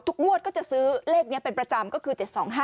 งวดก็จะซื้อเลขนี้เป็นประจำก็คือ๗๒๕๖